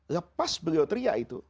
lepas beliau teriak itu